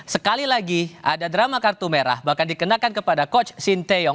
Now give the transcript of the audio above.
sekali lagi ada drama kartu merah bahkan dikenakan kepada coach sinteyong